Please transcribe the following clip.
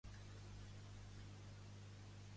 Què nota Mestre Quissu?